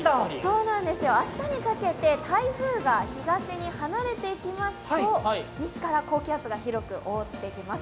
明日にかけて台風が東に離れていきますと西から高気圧が広く覆ってきます。